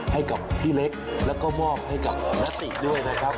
ให้กับพี่เล็กแล้วก็มอบให้กับนติด้วยนะครับ